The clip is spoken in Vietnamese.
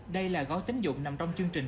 đây là gói tính dụng nằm trong chương trình